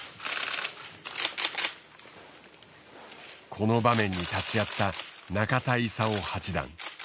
この場面に立ち会った中田功八段。